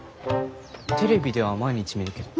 テレビでは毎日見るけど。